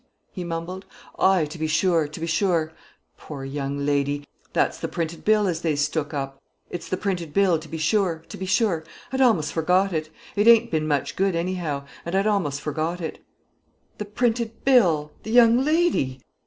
he mumbled. "Ay, to be sure, to be sure. Poor young lady! That's the printed bill as they stook oop. It's the printed bill, to be sure, to be sure. I'd a'most forgot it. It ain't been much good, anyhow; and I'd a'most forgot it." "The printed bill! the young lady!"